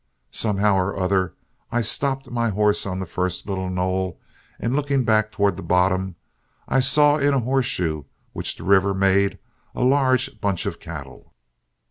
Somehow or other I stopped my horse on the first little knoll, and looking back towards the bottom, I saw in a horseshoe which the river made a large bunch of cattle.